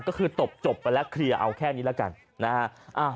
ก็คือตบจบไปแล้วเคลียร์เอาแค่นี้แล้วกันนะฮะ